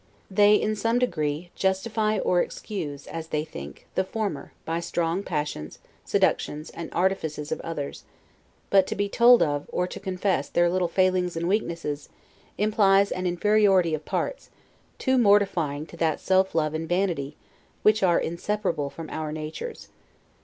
They, in some degree, justify or excuse (as they think) the former, by strong passions, seductions, and artifices of others, but to be told of, or to confess, their little failings and weaknesses, implies an inferiority of parts, too mortifying to that self love and vanity, which are inseparable from our natures.